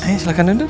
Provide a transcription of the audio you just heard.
ayo silahkan duduk